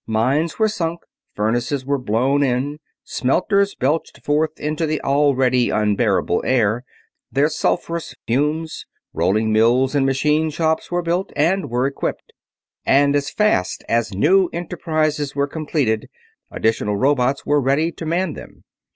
Mines were sunk, furnaces were blown in, smelters belched forth into the already unbearable air their sulphurous fumes, rolling mills and machine shops were built and were equipped; and as fast as new enterprises were completed additional robots were ready to man them.